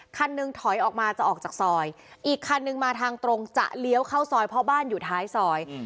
คันหนึ่งถอยออกมาจะออกจากซอยอีกคันนึงมาทางตรงจะเลี้ยวเข้าซอยเพราะบ้านอยู่ท้ายซอย